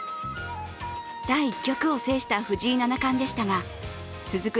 第１局を制した藤井七冠でしたが続く